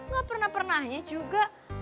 gak pernah pernahnya juga